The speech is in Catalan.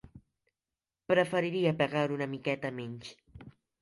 Preferiria pagar una miqueta menys.